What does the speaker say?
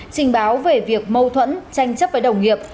trình báo về việc mâu thuẫn tranh chấp với đồng nghiệp